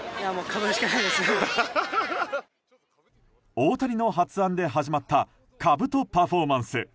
大谷の発案で始まったかぶとパフォーマンス。